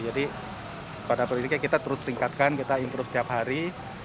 jadi pada perhitungan kita terus tingkatkan kita improve setiap hari